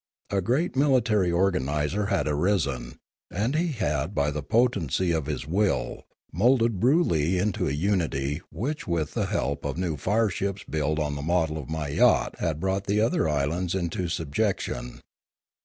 A great military organiser had arisen ; and he had by the potency of his will moulded Broolyi into a unity which with the help of new fire ships built on the model of my yacht had brought the other islands into subjection.